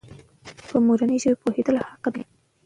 په مورنۍ ژبه پوهېدل حق دی.